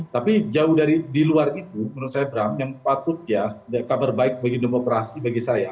tapi jauh dari di luar itu menurut saya bram yang patut ya kabar baik bagi demokrasi bagi saya